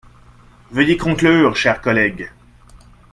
Veuillez conclure, cher collègue.